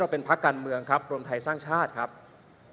คุณเขตรัฐพยายามจะบอกว่าโอ้เลิกพูดเถอะประชาธิปไตย